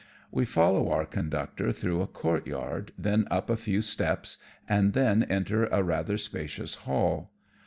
We follow our conductor through a courtyard, then up a few steps^ and then enter a rather spacious hall.